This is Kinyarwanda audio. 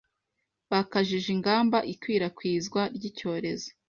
bakajije ingamba ikwirakwizwa ry’icyorezo